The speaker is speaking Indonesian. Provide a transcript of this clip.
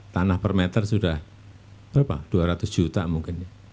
tanah per meter sudah berapa dua ratus juta mungkin